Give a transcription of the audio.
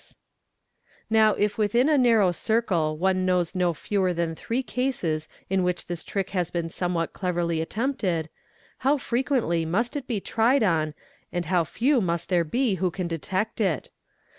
THE LYING WITNESS 99 Now if within a narrow circle one knows no fewer than three cases in which this trick has been somewhat cleverly attempted, how frequently must it be tried on and how few must there be who can detect it.